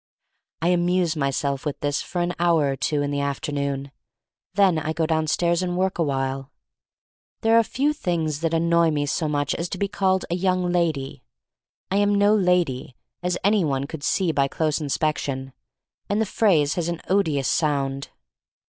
I amuse myself with this for an hour or two in the afternoon. Then I go downstairs and work awhile. There are few things that annoy me so much as to be called a young lady. I am no lady — as any one could see by close inspection, and the phrase has an odious sound.